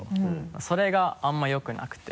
それがあんまり良くなくて。